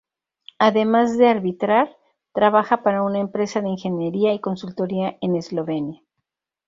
Además de arbitrar, trabaja para una empresa de ingeniería y consultoría en Eslovenia.